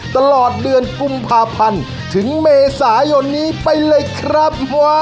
ตลอดเดือนกุมภาพันธ์ถึงเมษายนนี้ไปเลยครับ